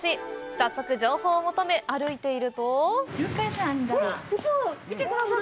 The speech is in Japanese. さっそく情報を求め、歩いていると。